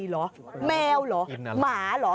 หมาเหรอ